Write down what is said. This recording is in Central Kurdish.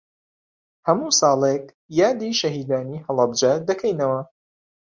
هەموو ساڵێک یادی شەهیدانی هەڵەبجە دەکەینەوە.